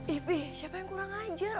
ip siapa yang kurang ajar